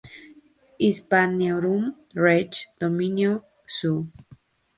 Hispaniarum Rege domino suo".